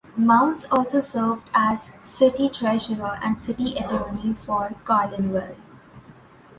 Mounts also served as city treasurer and city attorney for Carlinville.